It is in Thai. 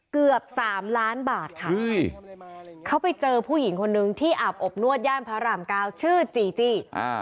เกือบ๓ล้านบาทค่ะเขาไปเจอผู้หญิงคนนึงที่อาบอบนวดย่านพระรามเก้าชื่อจีจี้